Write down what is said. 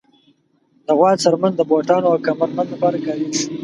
د غوا څرمن د بوټانو او کمر بند لپاره کارېږي.